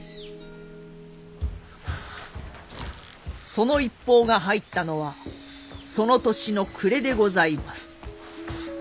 その一報が入ったのはその年の暮れでございます。